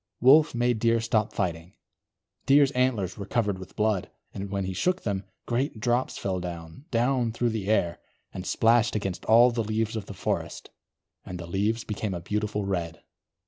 Wolf made Deer stop fighting. Deer's antlers were covered with blood, and when he shook them, great drops fell down, down through the air, and splashed against all the leaves of the forest. And the leaves became a beautiful red.